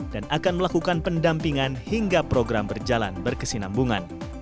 dan akan melakukan pendampingan hingga program berjalan berkesinambungan